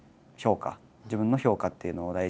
自分の評価っていうのを大事にしてるので。